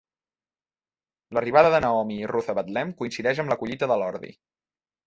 L'arribada de Naomi i Ruth a Betlem coincideix amb la collita de l'ordi.